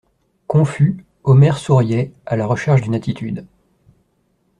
Confus, Omer souriait, à la recherche d'une attitude.